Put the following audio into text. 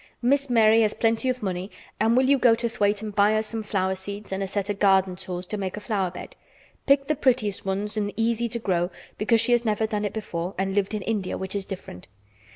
Miss Mary has plenty of money and will you go to Thwaite and buy her some flower seeds and a set of garden tools to make a flower bed. Pick the prettiest ones and easy to grow because she has never done it before and lived in India which is different.